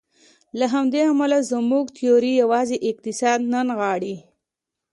له همدې امله زموږ تیوري یوازې اقتصاد نه نغاړي.